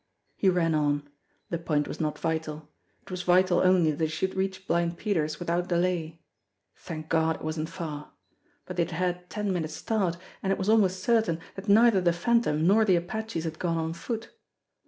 He ran on. The point was not vital. It was vital only that he should reach Blind Peter's without delay. Thank God, it wasn't far ! But they had had ten minutes' start, and at was almost certain that neither the Phanton nor the apaches had gone on foot.